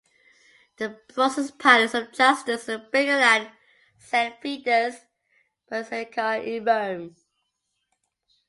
The Brussels Palace of Justice is bigger than Saint Peter's Basilica in Rome.